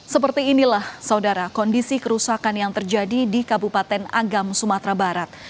seperti inilah saudara kondisi kerusakan yang terjadi di kabupaten agam sumatera barat